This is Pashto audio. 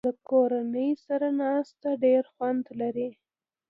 د کورنۍ سره ناسته ډېر خوند لري.